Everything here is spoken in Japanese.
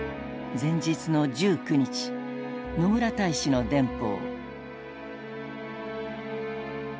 前日の１９日野村大使の電報。